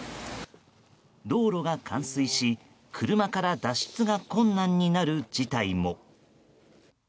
道路が冠水し車から脱出が困難になる事態も。